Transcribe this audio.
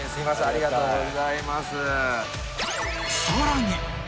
ありがとうございます。